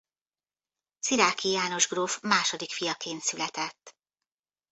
Cziráky János gróf második fiaként született.